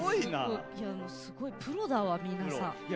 すごい、プロだわ、皆さん。